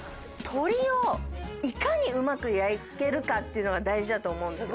鶏をいかにうまく焼けるかっていうのが大事だと思うんです。